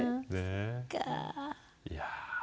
いや。